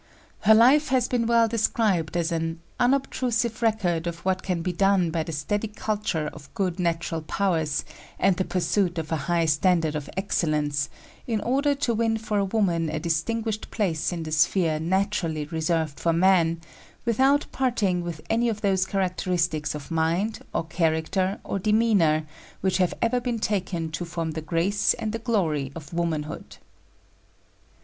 Her life has been well described as an "unobtrusive record of what can be done by the steady culture of good natural powers and the pursuit of a high standard of excellence in order to win for a woman a distinguished place in the sphere naturally reserved for men, without parting with any of those characteristics of mind, or character, or demeanor which have ever been taken to form the grace and the glory of womanhood."